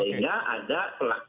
sehingga ada pelanggaran